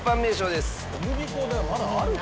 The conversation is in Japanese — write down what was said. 小麦粉でまだあるか？